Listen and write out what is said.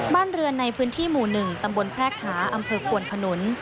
บ้านเรือนในพื้นที่หมู่๑ตำบลแพรกหาอำเภอควนขนุน